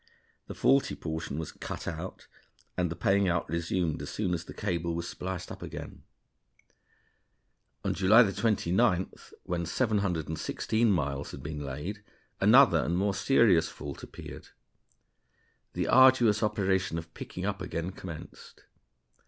The faulty portion was cut out, and the paying out resumed as soon as the cable was spliced up again. On July 29th, when 716 miles had been laid, another and more serious fault appeared. The arduous operation of picking up again commenced.